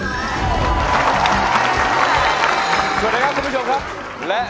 สวัสดีครับคุณผู้ชมครับและ